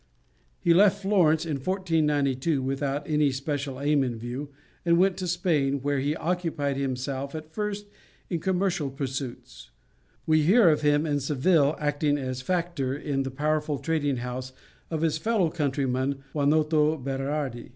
He left Florence in 1492 without any special aim in view, and went to Spain, where he occupied himself at first in commercial pursuits. We hear of him in Seville acting as factor in the powerful trading house of his fellow countryman, Juanoto Berardi.